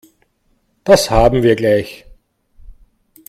Das haben wir gleich.